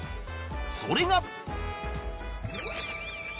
それが